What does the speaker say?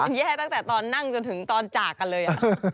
แย่ตั้งแต่ตอนนั่งจนถึงตอนจากกันเลย